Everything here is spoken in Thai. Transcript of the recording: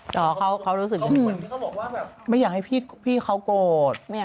เหมือนที่เขาบอกว่าไม่อยากให้พี่เขาโกรธ